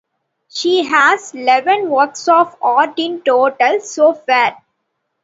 She has eleven works of art in total so far.